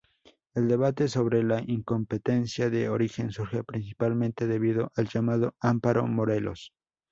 El debate sobre la incompetencia de origen surge principalmente debido al llamado amparo "Morelos".